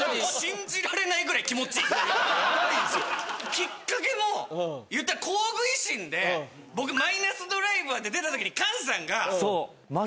きっかけもいったらＫＯＵＧＵ維新で僕マイナスドライバーで出た時に菅さんが。